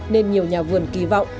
nên nhiều nhà vườn kỳ vọng